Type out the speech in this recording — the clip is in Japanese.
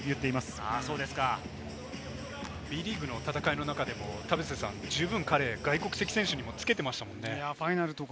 田臥さん、Ｂリーグの戦いの中でも、十分に外国籍選手にもつけてましたよね。